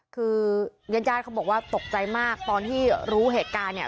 คือญาติญาติเขาบอกว่าตกใจมากตอนที่รู้เหตุการณ์เนี่ย